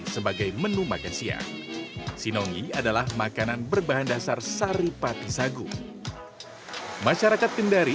sebagai menu makan siang sinonggi adalah makanan berbahan dasar sari pati sagu masyarakat kendari